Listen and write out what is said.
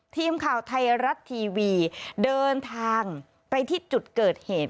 ทีมข่าวไทยรัฐทีวีเดินทางไปที่จุดเกิดเหตุ